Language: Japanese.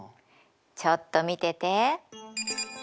ちょっと見てて！